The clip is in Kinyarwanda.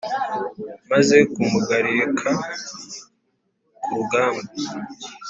Maze kumugarika ku rugamba